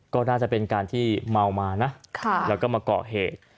ก็น่าจะเป็นการที่เมามานะแล้วก็มาเกาะเหตุ